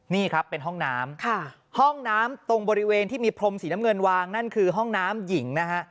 นี่ครับเป็นห้องน้ำห้องน้ำตรงบริเวณที่มีพรมสีน้ำเงินวางนั่นคือห้องน้ำหญิงนะฮะ